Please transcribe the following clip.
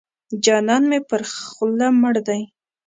جانان مې پر خوله مړ دی.